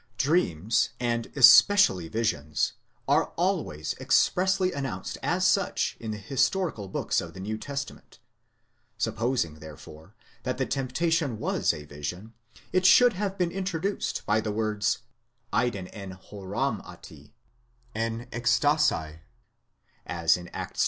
Dreams, and especially visions, are always expressly announced as such in the historical books of the New Testament: supposing, therefore, that the temptation was a vision, it should have been introduced by the words εἶδεν ἐν ὁράματι, ἐν ἐκστάσει, as in Acts ix.